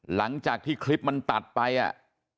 หลังจากที่คลิปมันตัดไปอ่ะ